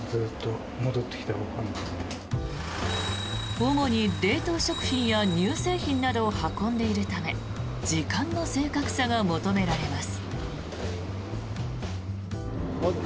主に冷凍食品や乳製品などを運んでいるため時間の正確さが求められます。